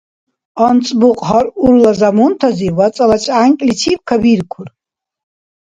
АнцӀбукь, гьар-урла замунтазиб, вацӀала чӀянкӀличиб кабиркур.